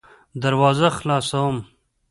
دروازه خلاصوم .